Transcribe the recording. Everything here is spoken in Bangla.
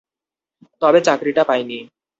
তবে চাকরিটা পাইনি।